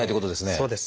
そうです。